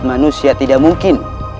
manusia tidak mungkin